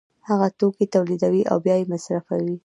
هغه توکي تولیدوي او بیا یې مصرفوي